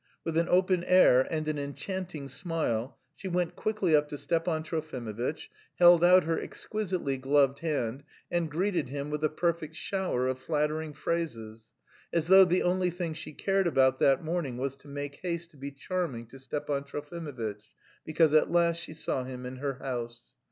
With an open air and an enchanting smile she went quickly up to Stepan Trofimovitch, held out her exquisitely gloved hand, and greeted him with a perfect shower of flattering phrases as though the only thing she cared about that morning was to make haste to be charming to Stepan Trofimovitch because at last she saw him in her house.